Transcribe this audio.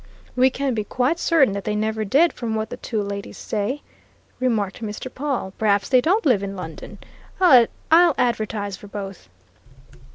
"We can be quite certain that they never did from what the two ladies say," remarked Mr. Pawle. "Perhaps they don't live in London. I'll advertise for both.